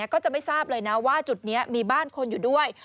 ก็จะไม่ทราบเลยนะว่าจุดนี้มีบ้านคนอยู่ด้วย